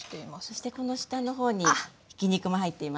そしてこの下の方にひき肉も入っていますね。